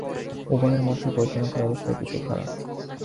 উভয়ের মধ্যে বৈদ্যনাথের অবস্থাই কিছু খারাপ।